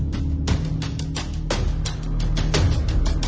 แล้วก็พอเล่ากับเขาก็คอยจับอย่างนี้ครับ